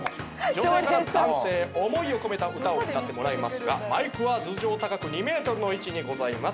女性から男性へ思いを込めた歌を歌ってもらいますがマイクは頭上高く２メートルの位置にございます。